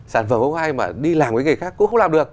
sản phẩm cũng không ai mà đi làm cái nghề khác cũng không làm được